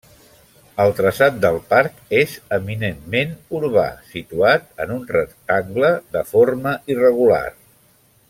El traçat del parc és eminentment urbà, situat en un rectangle de forma irregular.